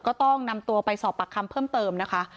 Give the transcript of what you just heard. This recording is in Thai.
ก็ต้องนำตัวไปสอบปากคำเพิ่มเติมนะคะ